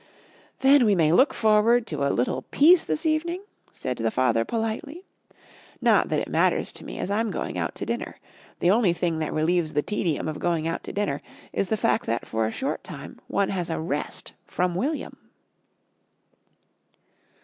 "Then we may look forward to a little peace this evening?" said the father politely. "Not that it matters to me, as I'm going out to dinner. The only thing that relieves the tedium of going out to dinner is the fact that for a short time one has a rest from William."